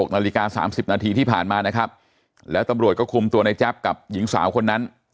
นาฬิกา๓๐นาทีที่ผ่านมานะครับแล้วตำรวจก็คุมตัวในแจ๊บกับหญิงสาวคนนั้น